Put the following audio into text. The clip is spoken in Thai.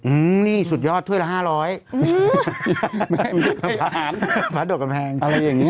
อืมนี่สุดยอดถ้วยละห้าร้อยอืมอาหารฟ้าโดกกำแพงอะไรอย่างนี้